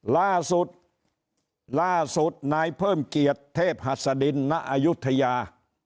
ล่าสุดล่าสุดนายเพิ่มเกียรติเทพหัสดินณอายุทยา